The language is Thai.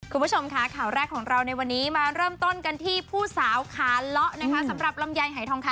คุณผู้ชมค่ะข่าวแรกของเราในวันนี้มาเริ่มต้นกันที่ผู้สาวขาเลาะนะคะสำหรับลำไยหายทองคำ